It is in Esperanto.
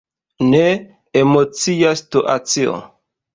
Ne, emocia situacio!